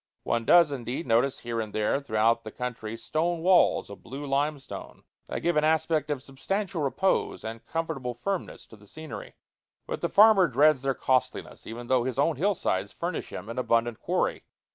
One does, indeed, notice here and there throughout the country stone walls of blue limestone, that give an aspect of substantial repose and comfortable firmness to the scenery. But the farmer dreads their costliness, even though his own hill sides furnish him an abundant quarry.